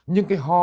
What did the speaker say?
nhưng cái ho